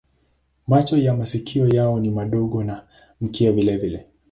Macho na masikio yao ni madogo na mkia vilevile.